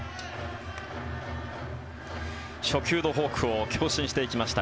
初球のフォークを強振していきました。